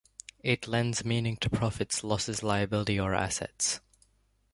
It lends meaning to profits, losses, liability, or assets.